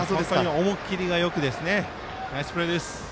思い切りがよくナイスプレーです。